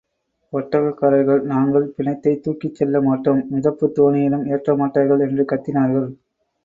ஒட்டகக் காரர்கள், நாங்கள் பிணத்தைத் தூக்கிச் செல்ல மாட்டோம், மிதப்புத் தோணியிலும் ஏற்றமாட்டார்கள் என்று கத்தினார்கள்.